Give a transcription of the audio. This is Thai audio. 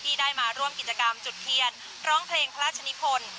ได้มาร่วมกิจกรรมจุดเทียนร้องเพลงพระราชนิพล